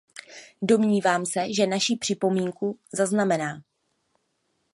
Domnívám se, že vaši připomínku zaznamená.